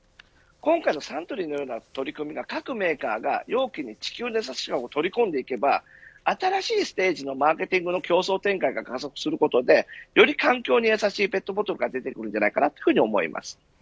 今回のサントリーのような取り組みは各メーカーが容器に地球へのやさしさ取り込んでいけば新しいステージのマーケティングの展開が加速することでより環境にやさしいペットボトルが出てくるんじゃないかなというふうに思います。